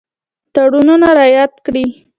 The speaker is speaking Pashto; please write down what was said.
تړونونه رعایت کړي.